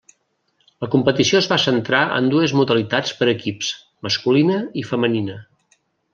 La competició es va centrar en dues modalitats per equips, masculina i femenina.